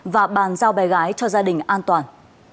và bàn giao bè gái cho gia đình an toàn